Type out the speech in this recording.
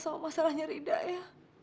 tentang masalah rida ya